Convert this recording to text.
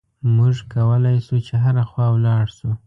موږ کولای شو چې هره خوا ولاړ شو.